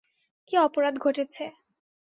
কী অপরাধ ঘটেছে।